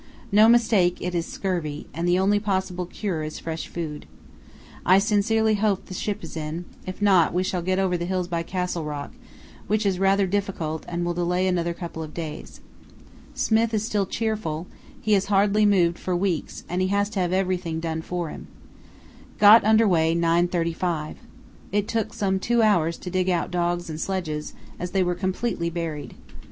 No mistake it is scurvy, and the only possible cure is fresh food. I sincerely hope the ship is in; if not we shall get over the hills by Castle Rock, which is rather difficult and will delay another couple of days. Smith is still cheerful; he has hardly moved for weeks and he has to have everything done for him. Got under way 9.35. It took some two hours to dig out dogs and sledges, as they were completely buried.